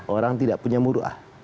orang tidak punya muruah